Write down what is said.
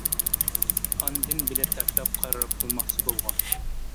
ئاندىن بىلەت تاشلاپ قارار قىلماقچى بولغان.